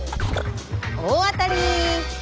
大当たり！